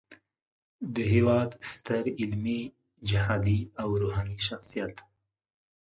د هیواد ستر علمي، جهادي او روحاني شخصیت